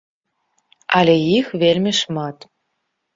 Але іх вельмі шмат.